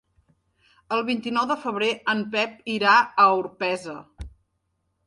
El vint-i-nou de febrer en Pep irà a Orpesa.